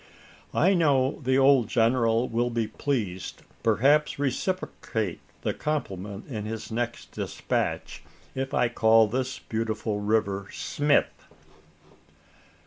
"I know the old general will be pleased perhaps reciprocate the compliment in his next despatch if I call this beautiful river `Smith.'"